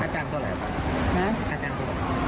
ครับครับ